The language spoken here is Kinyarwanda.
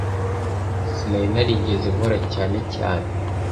Sinari narigeze nkora cyane cyane